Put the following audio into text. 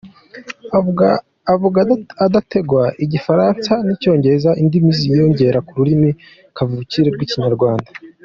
Avuga adategwa Igifaransa n'Icyongereza - indimi ziyongera ku rurimi kavukire rw'Ikinyarwanda.